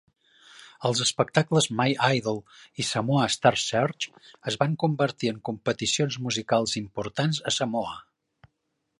Els espectacles "My Idol" i "Samoa Star Search" es van convertir en competicions musicals importants a Samoa.